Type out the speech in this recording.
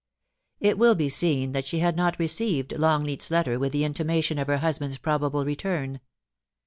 It will be seen that she had not received Longleat's letter with the intimation of her husband's probable return.